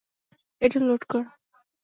এটা লোড করা।